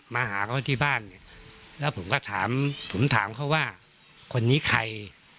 มาหาเขาที่บ้านแล้วผมถามเขาว่าคนนี้ใคร